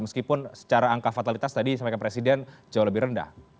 meskipun secara angka fatalitas tadi disampaikan presiden jauh lebih rendah